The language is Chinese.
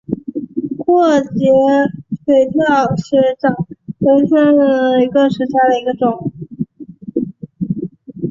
阔节角水蚤为角水蚤科角水蚤属下的一个种。